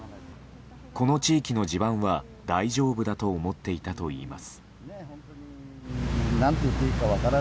この地域の地盤は大丈夫だと思っていたといいます。